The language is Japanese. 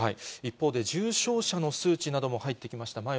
一方で、重症者の数値なども入ってきました。